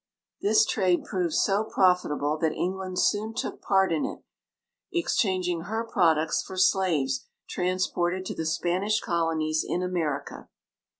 This trade proved so profitable that England soon took part in it, exchanging her })roducts for slaves transj)orted to the Spanish colonies in America.